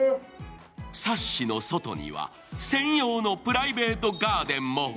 サッシの外には専用のプライベートガーデンも。